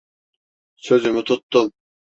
Sözümü tuttum.